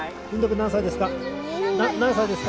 何歳ですか？